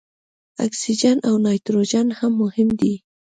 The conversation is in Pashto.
اکسیجن او نایتروجن هم مهم دي.